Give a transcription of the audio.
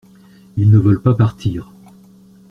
Ils ne veulent pas partir.